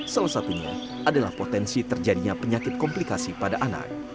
salah satunya adalah potensi terjadinya penyakit komplikasi pada anak